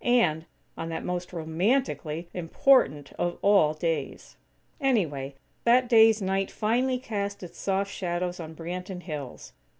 And, on that most romantically important of all days!! Anyway, that day's night finally cast its soft shadows on Branton Hills.